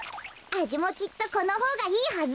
あじもきっとこのほうがいいはず。